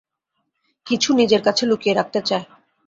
কিছু নিজের কাছে লুকিয়ে রাখতে চায়।